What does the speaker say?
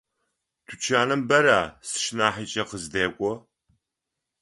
Тучаным бэра сшынахьыкӏэ къыздэкӏо.